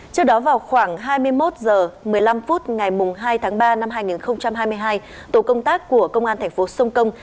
trước đó vào khoảng hai mươi một h một mươi năm phút ngày hai tháng ba năm hai nghìn hai mươi hai tổ công tác của công an thành phố sông công